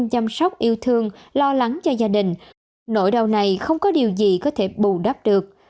chăm sóc yêu thương lo lắng cho gia đình nỗi đau này không có điều gì có thể bù đắp được